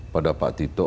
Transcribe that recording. pada pak tito